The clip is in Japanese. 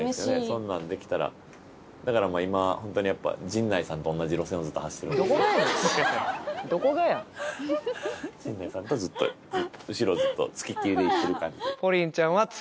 そんなんできたらだからもう今ホントにやっぱをずっと走ってるんですけど陣内さんとずっと後ろをずっとつきっきりでいってる感じ